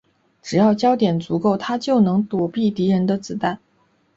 只要焦点足够她就能躲避敌人的子弹。